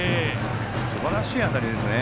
すばらしい当たりですね。